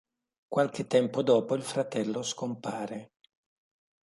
Qualche tempo dopo il fratello scompare.